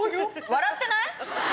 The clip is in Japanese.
笑ってない？